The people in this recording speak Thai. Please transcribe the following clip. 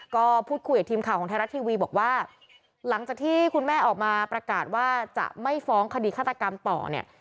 ก็พูดคุยกับทีมข่าวของไทยรัฐทีวีบอกว่าหลังจากที่คุณแม่ออกมาประกาศว่าจะไม่ฟ้องคดีฆาตกรรมต่อเนี่ย